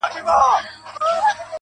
اوس يې څنگه ښه له ياده وباسم.